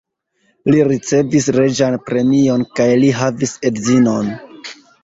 Li ricevis reĝan premion kaj li havis edzinon.